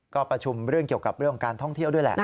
ก็ประชุมเรื่องเกี่ยวกับเรื่องการท่องเที่ยวด้วยแหละ